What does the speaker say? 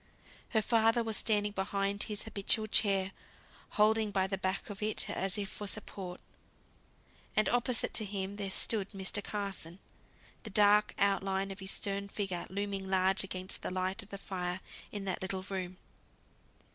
Her father was standing behind his habitual chair, holding by the back of it as if for support. And opposite to him there stood Mr. Carson; the dark out line of his stern figure looming large against the light of the fire in that little room.